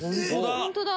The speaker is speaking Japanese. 本当だ。